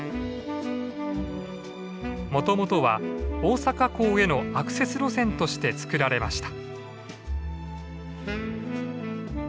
もともとは大阪港へのアクセス路線として作られました。